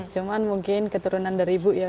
cuman mungkin keturunan dari ibu ya